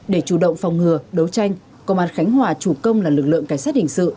để chủ động phòng ngừa đấu tranh công an khánh hòa chủ công là lực lượng cảnh sát hình sự